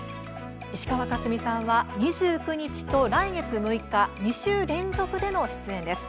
石川佳純さんは２９日と来月６日２週連続での出演です。